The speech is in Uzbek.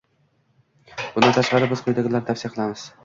Bundan tashqari, biz quyidagilarni tavsiya qilamiz: